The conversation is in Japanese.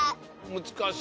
むずかしい。